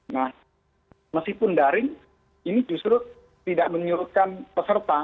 nah meskipun daring ini justru tidak menyurutkan peserta